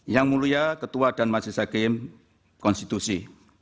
yang mulia ketua dan majelis hakim konstitusi